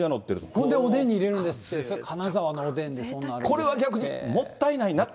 ほんでおでんに入れるんですって、金沢のおでんですって。